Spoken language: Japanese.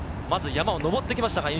まずは山を上ってきました。